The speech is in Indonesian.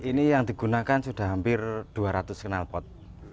ini yang digunakan sudah hampir dua ratus kenalpot